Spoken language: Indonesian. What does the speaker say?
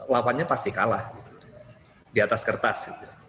lawannya pasti kalah di atas kertas